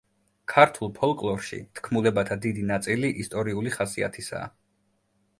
ქართულ ფოლკლორში თქმულებათა დიდი ნაწილი ისტორიული ხასიათისაა.